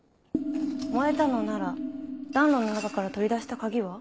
燃えたのなら暖炉の中から取り出した鍵は？